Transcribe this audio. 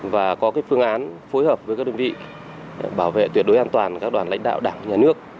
và có phương án phối hợp với các đơn vị bảo vệ tuyệt đối an toàn các đoàn lãnh đạo đảng nhà nước